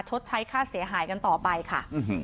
ชดใช้ค่าเสียหายกันต่อไปค่ะ